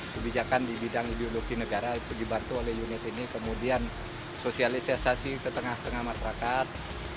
kebijakan di bidang ideologi negara dibantu oleh unit ini kemudian sosialisasi ke tengah tengah masyarakat